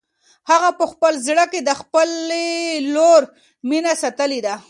هغه په خپل زړه کې د خپلې لور مینه ساتلې ده.